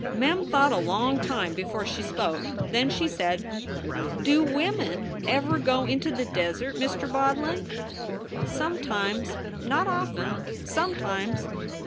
Mem thought a long time before she spoke. Then she said: "Do women ever go into the desert, Mr. Bodlin?" Sometimes ; not often . Sometimes